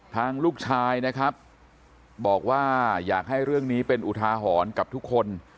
ทางลูกชายนะครับบอกว่าอยากให้เรื่องนี้เป็นอุทาหรณ์กับทุกคน